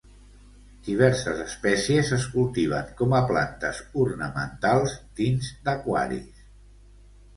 Diverses espècies es cultiven com a plantes ornamentals dins d'aquaris.